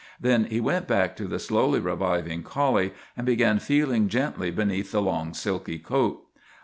Then he went back to the slowly reviving collie and began feeling gently beneath the long silky coat.